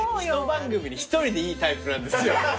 一番組に一人でいいタイプなんですよ。